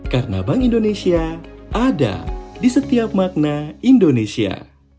karena bank indonesia ada di setiap makna indonesia